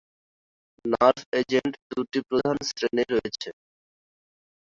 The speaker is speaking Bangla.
নার্ভ এজেন্ট দুটি প্রধান শ্রেণী রয়েছে।